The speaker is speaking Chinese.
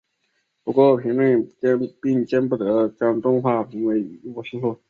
不过评论并不见得将动画评得一无是处。